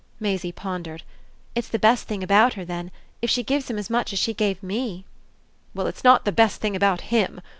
Maisie pondered. "It's the best thing about her then if she gives him as much as she gave ME!" "Well, it's not the best thing about HIM!